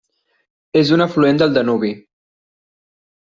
És un afluent del Danubi.